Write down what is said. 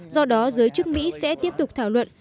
do đó giới chức mỹ sẽ tiếp tục thảo luận